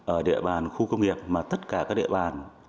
ở địa bàn khu công nghiệp mà tất cả các địa bàn